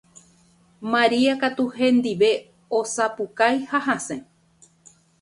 Maria katu hendive osapukái ha hasẽ